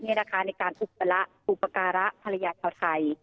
ในการอุปการะภรรยาชาวไทย